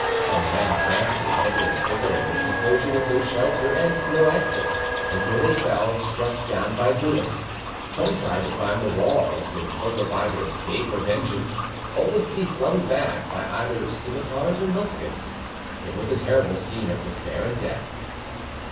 Some ran frantically hither and thither in this enclosure with no shelter and no exit, until they fell, struck down by bullets. Some tried to climb the walls, in hope of either escape or vengeance, only to be flung back by either scimitars or muskets. It was a terrible scene of despair and death.